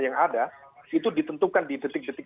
yang ada itu ditentukan di detik detik